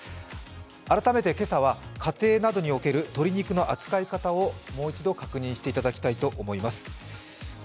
改めて今朝は家庭などにおける鶏肉の扱い方をもう一度、確認していただきたいと思います。